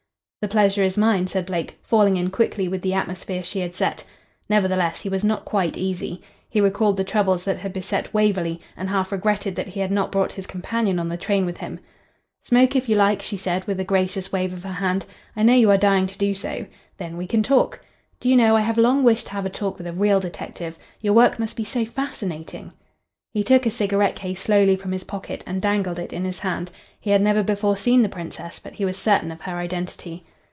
"The pleasure is mine," said Blake, falling in quickly with the atmosphere she had set. Nevertheless, he was not quite easy. He recalled the troubles that had beset Waverley, and half regretted that he had not brought his companion on the train with him. "Smoke, if you like," she said, with a gracious wave of her hand. "I know you are dying to do so. Then we can talk. Do you know, I have long wished to have a talk with a real detective. Your work must be so fascinating." He took a cigarette case slowly from his pocket, and dangled it in his hand. He had never before seen the Princess, but he was certain of her identity.